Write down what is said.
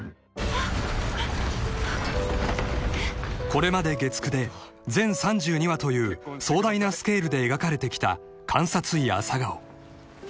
［これまで月９で全３２話という壮大なスケールで描かれてきた『監察医朝顔』］